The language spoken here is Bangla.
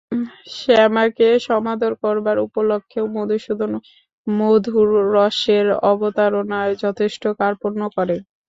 শ্যামাকে সমাদর করবার উপলক্ষেও মধুসূদন মধুর রসের অবতারণায় যথেষ্ট কার্পণ্য করে।